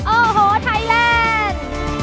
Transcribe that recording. โอ้โหไทยแลนด์